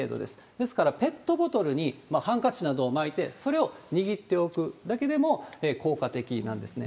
ですから、ペットボトルにハンカチなどを巻いて、それを握っておくだけでも効果的なんですね。